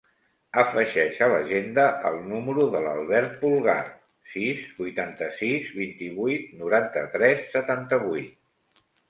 Afegeix a l'agenda el número de l'Albert Pulgar: sis, vuitanta-sis, vint-i-vuit, noranta-tres, setanta-vuit.